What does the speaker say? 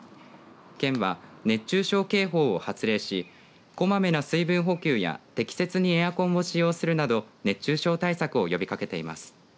県は、熱中症警報を発令しこまめな水分補給や適切にエアコンを使用するなど熱中症対策を呼びかけています。